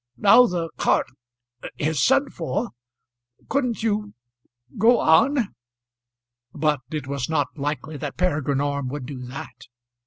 "Now the cart is sent for, couldn't you go on?" But it was not likely that Peregrine Orme would do that.